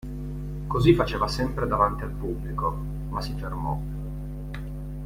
Così faceva sempre davanti al pubblico – ma si fermò.